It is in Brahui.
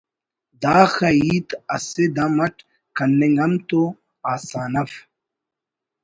داخہ ہیت اسہ دم اٹ کننگ ہم تو آسان اف